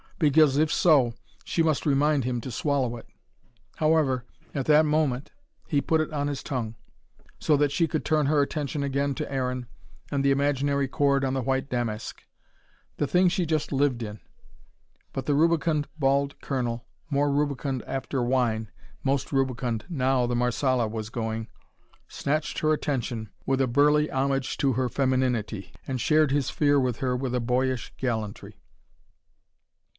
Because if so, she must remind him to swallow it. However, at that very moment, he put it on his tongue. So that she could turn her attention again to Aaron and the imaginary chord on the white damask; the thing she just lived in. But the rubicund bald colonel, more rubicund after wine, most rubicund now the Marsala was going, snatched her attention with a burly homage to her femininity, and shared his fear with her with a boyish gallantry.